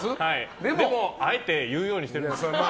でもあえて言うようにしてるんです。